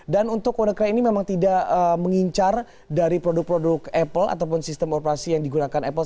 dan untuk wannacry ini memang tidak mengincar dari produk produk apple ataupun sistem operasi yang digunakan apple